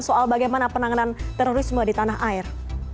soal bagaimana penanganan terorisme di tanah air